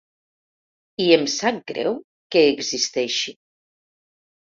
I em sap greu que existeixi.